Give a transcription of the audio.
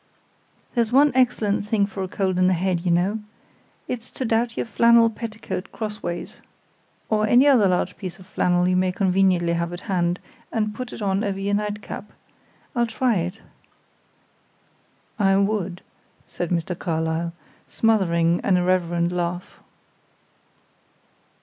"There's one thing excellent for a cold in the head, I know. It's to double your flannel petticoat crossways, or any other large piece of flannel you may conveniently have at hand, and put it on over your night cap. I'll try it." "I would," said Mr. Carlyle, smothering an irreverent laugh.